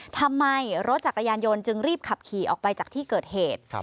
ทำไมรถจักรยานยนต์จึงรีบขับขี่ออกไปจากที่เกิดเหตุ